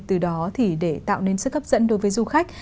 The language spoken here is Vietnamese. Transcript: từ đó để tạo nên sức hấp dẫn đối với du khách